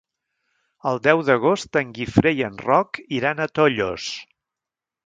El deu d'agost en Guifré i en Roc iran a Tollos.